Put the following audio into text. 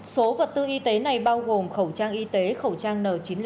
số vật tư y tế này bao gồm khẩu trang y tế khẩu trang n chín mươi năm